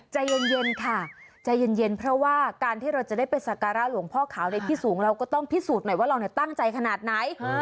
ใจเย็นค่ะใจเย็นเพราะว่าการที่เราจะได้ไปสักการะหลวงพ่อขาวในที่สูงเราก็ต้องพิสูจน์หน่อยว่าเราตั้งใจขนาดไหน